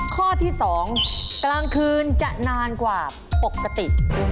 ข้อที่๒กลางคืนจะนานกว่าปกติ